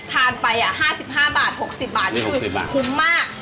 ทานไป๕๕บาท๖๐บาทนี่คือคุ้มมาก